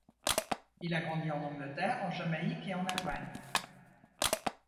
Il a grandi en Angleterre, en Jamaïque et en Allemagne.